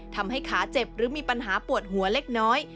ทำให้ขาเจ็บหรือมีปัญหาปวดหัวเล็กน้อย